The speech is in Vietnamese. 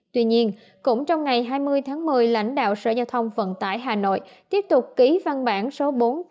tuy nhiên cũng trong ngày hai mươi tháng một mươi lãnh đạo sở giao thông vận tải hà nội tiếp tục ký văn bản số bốn trăm tám mươi bảy